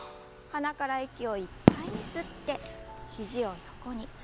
鼻から息をいっぱいに吸って肘を横に。